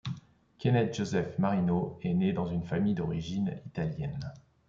Kenneth Joseph Marino est né dans une famille d'origine italienne.